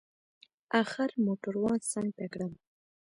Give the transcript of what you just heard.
اخر موټروان څنگ ته کړم.